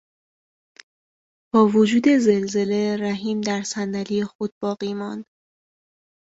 با وجود زلزله رحیم در صندلی خود باقی ماند.